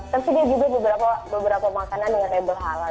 tersedia juga beberapa makanan dengan label halal